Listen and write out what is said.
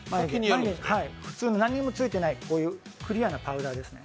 何もついていない、クリアなパウダーですね